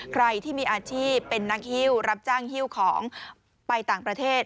ใครที่มีอาชีพเป็นนักฮิ้วรับจ้างฮิ้วของไปต่างประเทศ